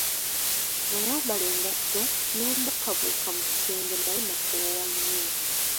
Nayambala engatto ne mbukabuuka mu kisenge naye nakoowa nnyo.